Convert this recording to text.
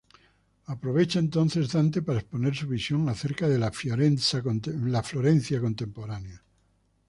Aprovecha entonces Dante para exponer su visión acerca de la "Fiorenza" contemporánea.